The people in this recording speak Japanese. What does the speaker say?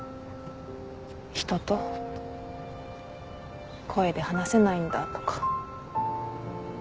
人と声で話せないんだとか。